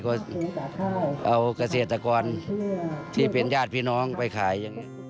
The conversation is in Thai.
ก็เอากระเศษตรกรที่เป็นญาติพี่น้องไปขาย